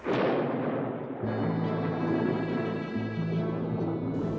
แล้วตอนนั้นเรียบร้อย